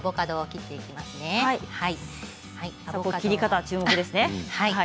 切り方、注目ですね。